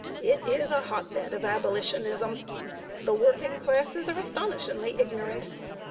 It is a hot bed of Abolitionism. The working classes are astonishingly ignorant.